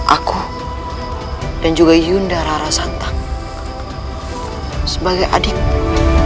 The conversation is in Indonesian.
aku dan juga yunda rara santa sebagai adikmu